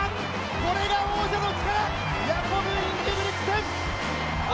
これが王者の力、ヤコブ・インゲブリクセン。